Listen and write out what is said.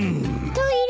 トイレ？